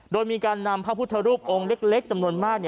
โดยมีการนำพระพุทธรูปองค์เล็กจำนวนมาก